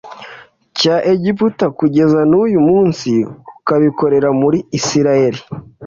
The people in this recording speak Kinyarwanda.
cya egiputa kugeza n uyu munsi ukabikorera muri isirayeli